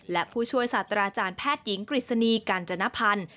และผู้ช่วยศาสตราจารย์แพทย์หญิงกฤษณีกาญจนพันธ์